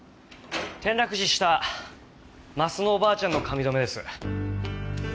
転落死した鱒乃おばあちゃんの髪留めです。